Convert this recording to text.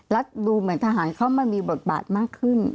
และดูเหมือนทหารเค้ามันมีเบิดบาดมากขึ้น